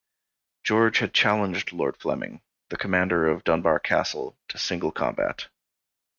George had challenged Lord Fleming, the commander of Dunbar Castle, to single combat.